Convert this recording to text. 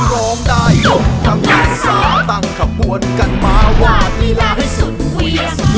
ร้องได้ยกกำลังซ่าตั้งขบวนกันมาวาดลีลาให้สุดเวียสุด